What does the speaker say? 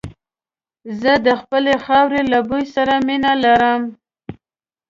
زه د خپلې خاورې له بوی سره مينه لرم.